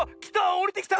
おりてきた！